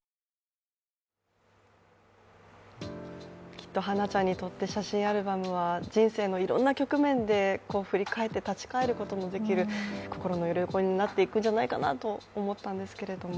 きっとはなちゃんにとって写真アルバムは、人生のいろんな局面で振り返って立ち返ることのできる心のよりどころになっていくんじゃないかなと思ったんですけれども。